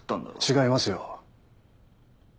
違いますよ。